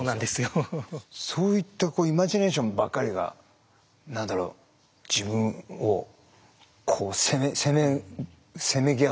そういったイマジネーションばっかりが何だろう自分をこうせめぎ合うっていうか。